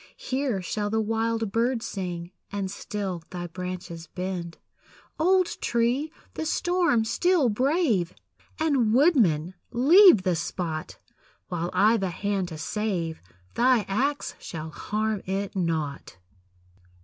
Here shall the wild bird sing, And still thy branches bend. Old tree! the storm still brave! And, woodman, leave the spot; While I've a hand to save, thy axe shall harm it not.